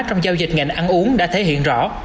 trong giao dịch ngành ăn uống đã thể hiện rõ